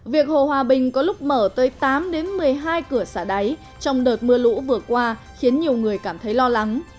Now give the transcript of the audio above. việc hồ hòa bình có lúc mở tới tám một mươi hai cửa xả đáy trong đợt mưa lũ vừa qua khiến nhiều người cảm thấy lo lắng